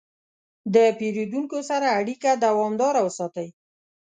د پیرودونکو سره اړیکه دوامداره وساتئ.